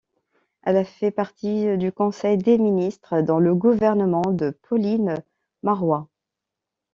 Elle a fait partie du Conseil des ministres dans le gouvernement de Pauline Marois.